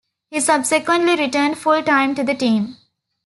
He subsequently returned full-time to the team.